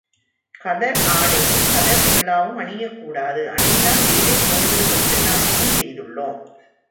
கதர் ஆடையும் கதர் குல்லாவும் அணியக் கூடாது அணிந்தால் வேலை போய்விடும் என்று நாம் விதி செய்துள்ளோம்.